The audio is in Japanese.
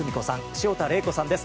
潮田玲子さんです